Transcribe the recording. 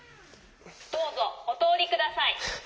どうぞおとおりください。